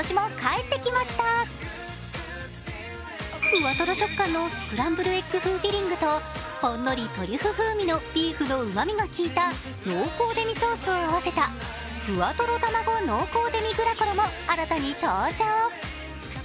ふわとろ食感のスクランブルエッグ風フィリングとほんのりトリュフ風味のビーフのうまみが効いた濃厚デミソースを合わせた、ふわとろたまご濃厚デミグラコロも新たに登場。